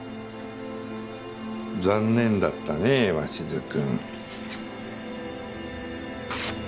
残念だったね鷲津君。